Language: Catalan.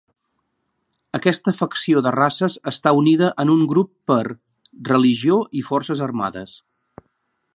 Aquesta facció de races està unida en un grup per: religió i forces armades.